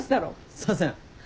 すいません。